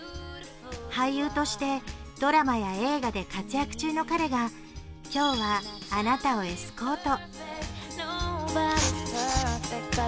俳優としてドラマや映画で活躍中の彼が今日はあなたをエスコート。